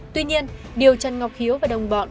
tuy nhiên điều trần ngọc hiếu và đồng bọn